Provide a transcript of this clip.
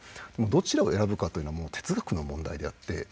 どちらを選ぶかというのはもう哲学の問題であって。